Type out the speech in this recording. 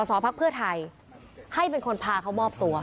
อภักดิ์เพื่อไทยให้เป็นคนพาเขามอบตัว